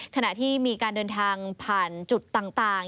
ขณะที่มีการเดินทางผ่านจุดต่าง